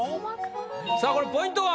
さあこれポイントは？